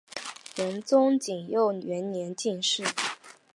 仁宗景佑元年进士。